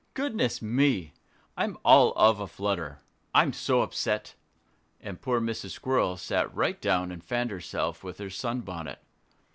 Goodness me! I'm all of a flutter I'm so upset." And poor Mrs. Squirrel sat right down and fanned herself with her sun bonnet.